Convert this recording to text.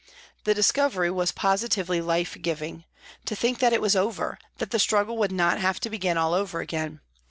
The discovery was positively life giving. To think that it was over, that the struggle would not have to begin all over again